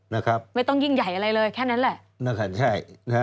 ไม่ต้องยิงใหญ่อะไรเลยแค่นั้นแหละ